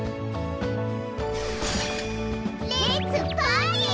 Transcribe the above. レッツパーティー！